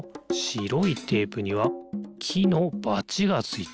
しろいテープにはきのバチがついてる。